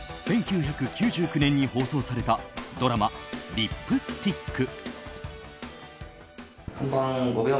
１９９９年に放送されたドラマ「リップスティック」。